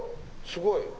すごい。